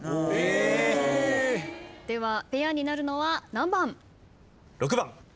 ではペアになるのは何番？